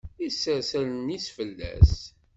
Isers allen-is fell-as.